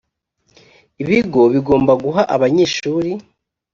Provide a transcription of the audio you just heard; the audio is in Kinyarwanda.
ibigo bigomba guha abanyeshuri